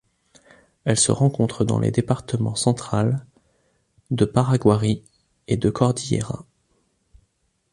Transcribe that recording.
Elle se rencontre dans les départements Central, de Paraguarí et de Cordillera.